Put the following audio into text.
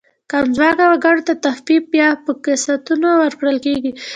کم ځواکه وګړو ته تخفیف یا په قسطونو ورکول کیږي.